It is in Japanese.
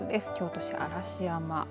京都市嵐山